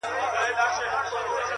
• ستا د کتاب تر اشو ډېر دي زما خالونه,